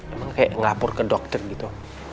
emang kayak lapor ke dokter gitu